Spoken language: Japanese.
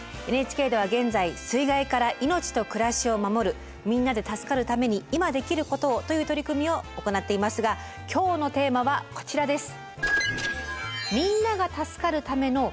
ＮＨＫでは現在「水害から命と暮らしを守るみんなで助かるために、いま、できることを」という取り組みを行っていますが今日のテーマはこちらです。